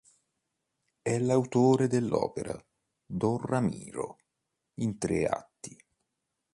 È l'autore dell'opera "Don Ramiro", in tre atti.